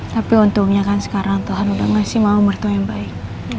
tapi untungnya kan sekarang tuhan udah ngasih mama umur itu yang baik